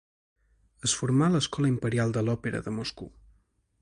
Es formà en l'Escola Imperial de l'Òpera de Moscou.